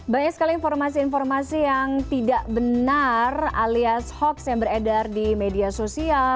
banyak sekali informasi informasi yang tidak benar alias hoax yang beredar di media sosial